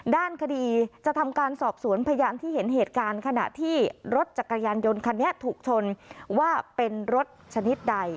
ด้านคดีจะทำการสอบสวนพยานที่เห็นเหตุการณ์ขณะที่รถจักรยานยนต์คันนี้ถูกชนว่าเป็นรถชนิดใด